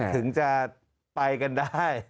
ถึงจะไปกันได้